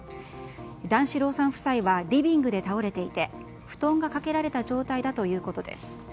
段四郎さん夫妻はリビングで倒れていて布団がかけられた状態だということです。